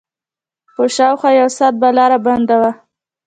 شاوخوا يو ساعت به لاره بنده وه.